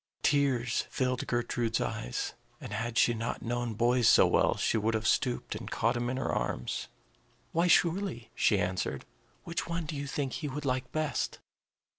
Tears filled Gertrude's eyes; and had she not known boys so well, she would have stooped and caught him in her arms. "Why, surely," she answered. "Which one do you think he would like best?"